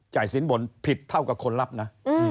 สินบนผิดเท่ากับคนรับนะ